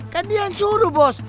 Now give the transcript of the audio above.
kan yang suruh bos